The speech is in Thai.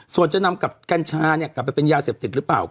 ส่วนจะนำกับกัญชาเนี่ยกลับไปเป็นยาเสพติดหรือเปล่า